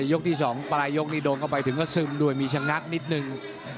ยกที่๒ปลายยกนี้โดนเข้าไปถึงก็ซึมด้วยมีชะงักนิดนึง